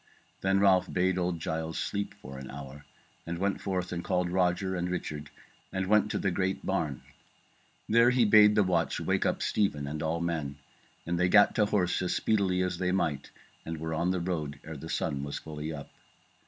Then Ralph bade old Giles sleep for an hour, and went forth and called Roger and Richard and went to the great barn. There he bade the watch wake up Stephen and all men, and they gat to horse as speedily as they might, and were on the road ere the sun was fully up.